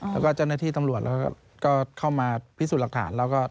แล้วก็เจ้าหน้าที่ตำรวจเราก็เข้ามาพิสูจน์หลักฐาน